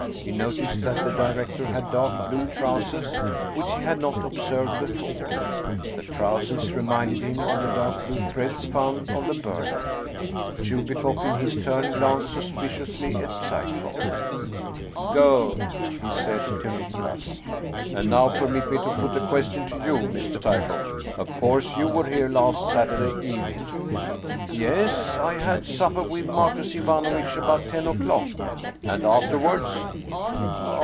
He noticed that the director had dark blue trousers, which he had not observed before. The trousers reminded him of the dark blue threads found on the burdock. Chubikoff in his turn glanced suspiciously at Psyekoff. " Go !" he said to Nicholas. " And now permit me to put a question to you, Mr. Psyekoff. Of course you were here last Saturday evening? "" Yes ! I had supper with Marcus Ivanovitch about ten o'clock." "And afterwards?"